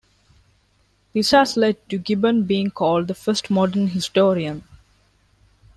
This has led to Gibbon being called the first "modern historian".